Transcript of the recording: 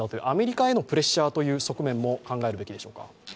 アメリカへのプレッシャーという側面も考えるべきでしょうか。